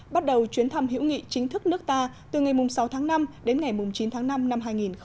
bắt đầu chuyến thăm hữu nghị chính thức nước ta từ ngày sáu tháng năm đến ngày chín tháng năm năm hai nghìn một mươi chín